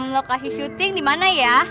lokasi syuting dimana ya